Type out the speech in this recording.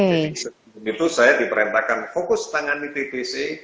jadi sebelum itu saya diperintahkan fokus tangani tbc